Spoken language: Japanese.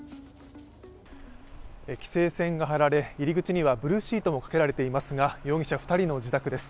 規制線が張られ、入り口にはブルーシートもかけられていますが容疑者２人の自宅です。